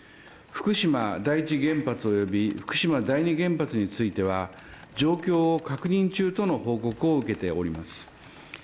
福島第１原発および福島第２原発については、状況を確認中との報告を受けております。